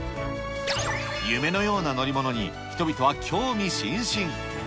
夢のような乗り物に、人々は興味津々。